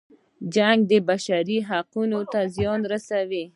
جنګ د بشري حقونو ته زیان رسوي.